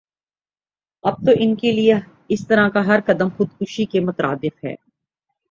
اب تو انکےلئے اسطرح کا ہر قدم خودکشی کے مترادف ہے